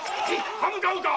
刃向かうか！